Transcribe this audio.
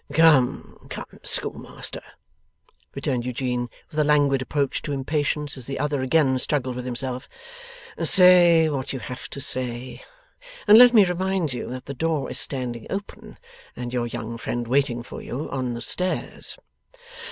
'Come, come, Schoolmaster,' returned Eugene, with a languid approach to impatience as the other again struggled with himself; 'say what you have to say. And let me remind you that the door is standing open, and your young friend waiting for you on the stairs.